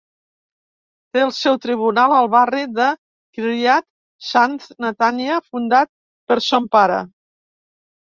Té el seu tribunal al barri de Kiryat Sanz, Netanya, fundat per son pare.